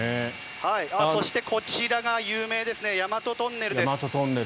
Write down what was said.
そして、こちらが有名ですね大和トンネルです。